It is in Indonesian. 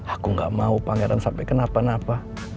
aku gak mau pangeran sampai kenapa napa